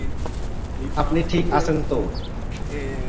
আপনি ঠিক আছেন তো?